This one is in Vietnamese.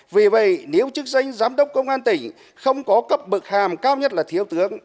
vì vậy nếu chức danh giám đốc công an tỉnh không có cấp bực hàm cao nhất là thiếu tướng